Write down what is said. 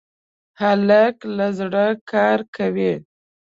هلک له زړه کار کوي.